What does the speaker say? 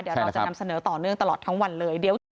เดี๋ยวเราจะนำเสนอต่อเนื่องตลอดทั้งวันเลย